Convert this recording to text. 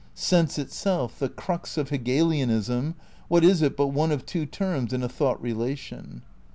Sense itself, the crux of Hegelianism, what is it hut one of two terms in a "thought relation"?